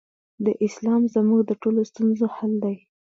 دا اسلام زموږ د ټولو ستونزو حل دی.